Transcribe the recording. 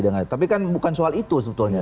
tapi kan bukan soal itu sebetulnya